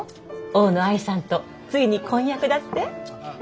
大野愛さんとついに婚約だって？